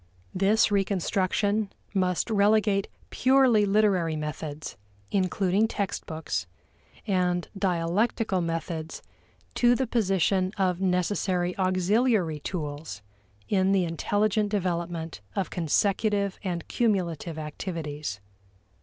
This reconstruction must relegate purely literary methods including textbooks and dialectical methods to the position of necessary auxiliary tools in the intelligent development of consecutive and cumulative activities.